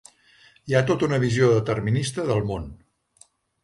Hi ha tota una visió determinista del món.